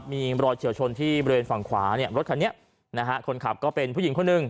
มีรอยเฉียวชนที่บริเวณฝั่งขวาเนี่ยรถคันนี้นะฮะคนขับก็เป็นผู้หญิงคนหนึ่ง